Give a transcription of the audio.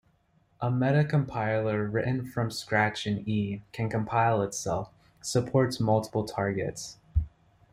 A meta-compiler written from scratch in E, can compile itself, supports multiple targets.